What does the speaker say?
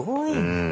うん。